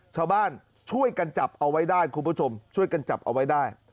ชาวบ้านช่วยกันจับเอาไว้ได้คุณผู้ชมช่วยกันจับเอาไว้ได้